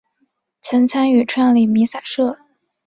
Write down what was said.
曾参与创立弥洒社。